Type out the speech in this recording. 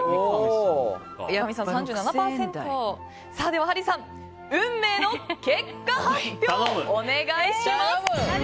ではハリーさん、運命の結果発表お願いします！